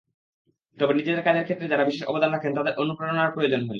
তবে নিজেদের কাজের ক্ষেত্রে যাঁরা বিশেষ অবদান রাখেন তাঁদের অনুপ্রেরণার প্রয়োজন হয়।